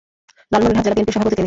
লালমনিরহাট জেলা বিএনপির সভাপতি তিনি।